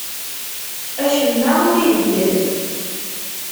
Acemma ur ibeddel.